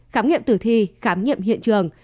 khám nghiệm tử thi khám nghiệm hiện trường